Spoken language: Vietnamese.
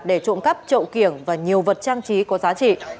để trộm cắp trậu kiểng và nhiều vật trang trí có giá trị